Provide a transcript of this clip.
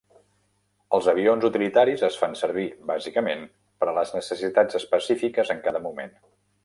Els avions utilitaris es fan servir bàsicament per a les necessitats específiques en cada moment.